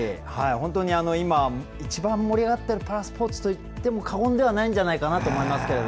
本当に今、一番盛り上がっているパラスポーツといっても過言ではないんじゃないかと思います。